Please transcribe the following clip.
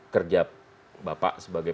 kerja bapak sebagai